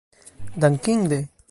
dankinde